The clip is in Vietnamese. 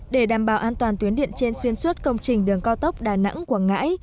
để đảm bảo an toàn tuyến điện trên xuyên suốt công trình đường cao tốc đà nẵng quảng ngãi